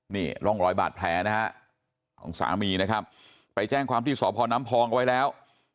นี่ร่องรอยบาดแผลนะฮะของสามีนะครับไปแจ้งความที่สพน้ำพองเอาไว้แล้ว